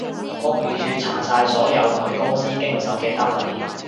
屋宇署查晒所有佢公司經手嘅單位